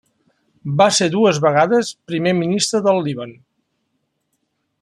Va ser dues vegades primer ministre del Líban.